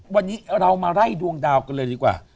วันนี้เรามาไล่ดวงดาวกันเลยดีกว่า